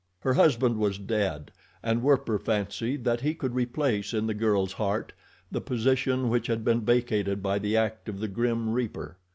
Her husband was dead, and Werper fancied that he could replace in the girl's heart the position which had been vacated by the act of the grim reaper.